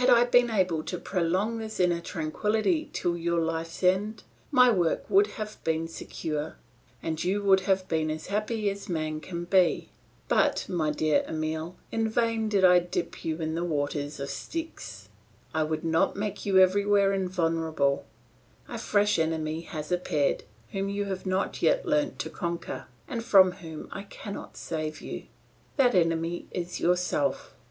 Had I been able to prolong this inner tranquillity till your life's end, my work would have been secure, and you would have been as happy as man can be; but, my dear Emile, in vain did I dip you in the waters of Styx, I could not make you everywhere invulnerable; a fresh enemy has appeared, whom you have not yet learnt to conquer, and from whom I cannot save you. That enemy is yourself.